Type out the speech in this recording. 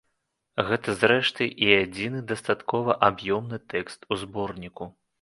Гэта, зрэшты, і адзіны дастаткова аб'ёмны тэкст у зборніку.